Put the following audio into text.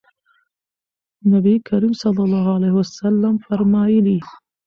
نبي کريم صلی الله عليه وسلم فرمايلي: